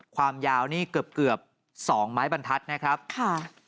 ความยาวนี่เกือบเกือบสองไม้บรรทัศน์นะครับค่ะ